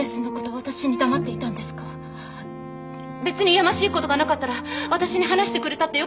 別にやましいことがなかったら私に話してくれたってよかったでしょう？